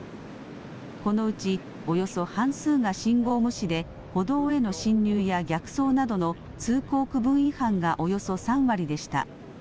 このうちおよそ半数が信号無視で歩道への進入や逆走などの通行区分違反がおよそ３割でした。